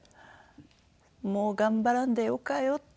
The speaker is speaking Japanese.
「もう頑張らんでよかよ」